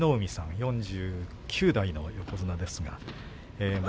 ４９代の横綱ですかね。